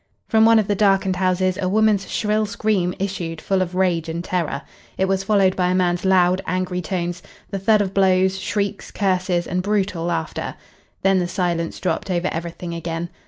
From one of the darkened houses a woman's shrill scream issued full of rage and terror. It was followed by a man's loud, angry tones, the thud of blows, shrieks, curses, and brutal laughter. Then the silence dropped over everything again.